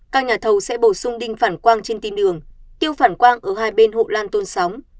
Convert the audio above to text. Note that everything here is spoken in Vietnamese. các nhà thầu sẽ bổ sung đinh phản quang trên tin đường tiêu phản quang ở hai bên hộ lan tôn sóng